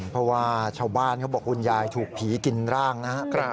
เพราะว่าชาวบ้านเขาบอกคุณยายถูกผีกินร่างนะครับ